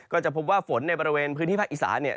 ก็จะพบว่าฝนในบริเวณพื้นที่ภาคอีสาเนี่ย